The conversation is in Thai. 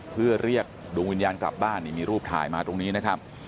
เพื่อเรียกดวงวิญญาณกลับบ้านนี่มีรูปถ่ายมาตรงนี้นะครับ